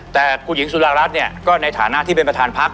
แต่คุณหญิงสุดารัฐเนี่ยก็ในฐานะที่เป็นประธานพัก